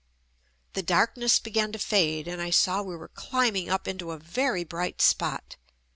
The darkness be gan to fade and I saw we were climbing up into a very bright spot.